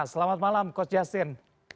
selamat malam coach justin